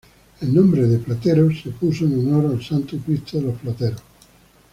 El nombre de "Plateros" se puso en honor al Santo Cristo de los Plateros.